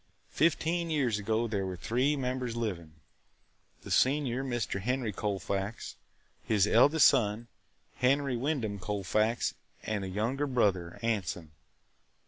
Fifteen years ago there were three members living – the senior Mr. Henry Colfax, his eldest son, Henry Wyndham Colfax, and a younger brother, Anson.